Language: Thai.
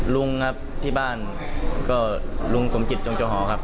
ลุงครับที่บ้านก็ลุงสมจิตจงเจ้าหอครับ